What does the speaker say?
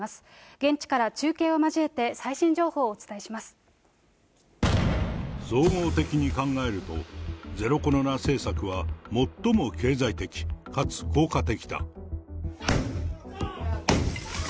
現地から中継を交えて最新情報を総合的に考えると、ゼロコロナ政策は最も経済的かつ効果的だ。